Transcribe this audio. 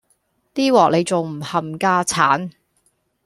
呢鑊你仲唔冚家鏟